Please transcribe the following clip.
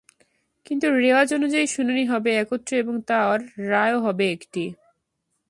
কিন্তু রেওয়াজ অনুযায়ী শুনানি হবে একত্রে এবং তার রায়ও হবে একটি।